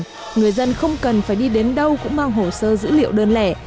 tuy nhiên người dân không cần phải đi đến đâu cũng mang hồ sơ dữ liệu đơn lẻ